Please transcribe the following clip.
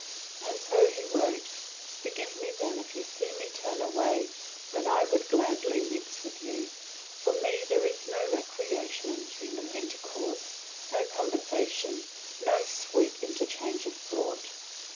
And so he wrote: "Forgive me then if you see me turn away when I would gladly mix with you. For me there is no recreation in human intercourse, no conversation, no sweet interchange of thought.